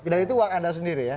dan itu uang anda sendiri ya